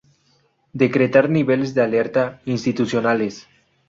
Decretar niveles de alerta institucionales.